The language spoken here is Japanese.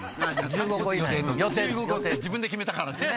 １５個って自分で決めたからね。